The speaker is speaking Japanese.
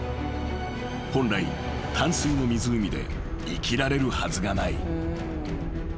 ［本来淡水の湖で生きられるはずがない］